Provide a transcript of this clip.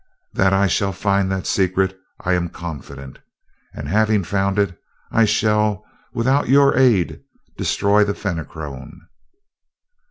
That I shall find that secret I am confident; and, having found it, I shall, without your aid, destroy the Fenachrone.